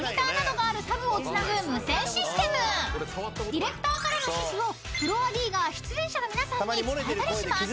［ディレクターからの指示をフロアＤが出演者の皆さんに伝えたりします］